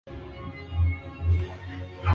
zaidi unaweza kukabiliana na mashindano ya kukandamiza